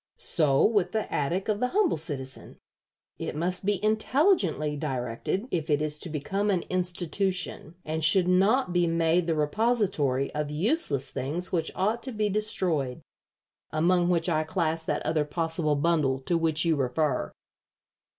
So with the attic of the humble citizen. It must be intelligently directed if it is to become an institution, and should not be made the repository of useless things which ought to be destroyed, among which I class that other possible bundle to which you refer."